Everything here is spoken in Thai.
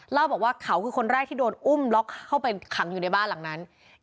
เล่าบอกว่าเขาคือคนแรกที่โดนอุ้มล็อกเข้าไปขังอยู่ในบ้านหลังนั้น